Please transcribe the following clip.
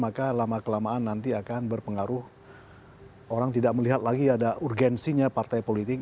maka lama kelamaan nanti akan berpengaruh orang tidak melihat lagi ada urgensinya partai politik